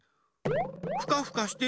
ふかふかしてる？